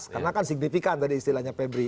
karena kan signifikan tadi istilahnya pebri